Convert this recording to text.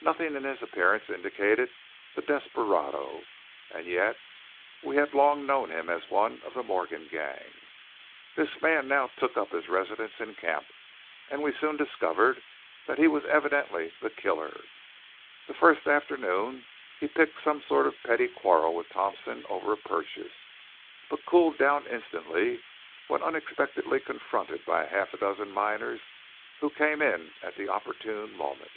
Nothing in his appearance indicated the desperado; and yet we had long known him as one of the Morton gang. This man now took up his residence in camp; and we soon discovered that he was evidently the killer. The first afternoon he picked some sort of a petty quarrel with Thompson over a purchase, but cooled down instantly when unexpectedly confronted by a half dozen miners who came in at the opportune moment.